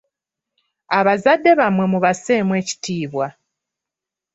Abazadde bammwe mubasseemu ekitiibwa.